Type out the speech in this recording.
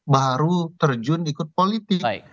baru terjun ikut politik